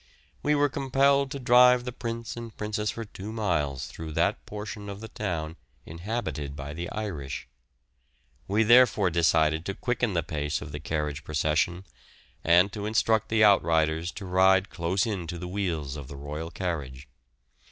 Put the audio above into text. We were compelled to drive the Prince and Princess for two miles through that portion of the town inhabited by the Irish; we therefore decided to quicken the pace of the carriage procession, and to instruct the out riders to ride close in to the wheels of the royal carriage.